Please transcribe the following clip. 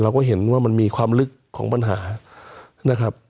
เราก็เห็นว่ามันมีความลึกของปัญหานะครับ